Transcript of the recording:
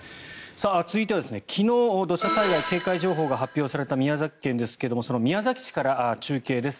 続いては、昨日土砂災害警戒情報が発表された宮崎県ですがその宮崎市から中継です。